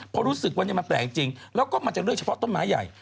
เพราะรู้สึกวันนี้มันแปลกจริงแล้วก็มันจะเลือกเฉพาะต้นไม้ใหญ่